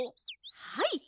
はい！